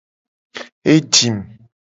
E jim.